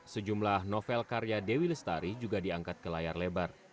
sejumlah novel karya dewi lestari juga diangkat ke layar lebar